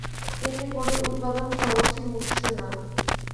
এতে করে উৎপাদন খরচই উঠছে না।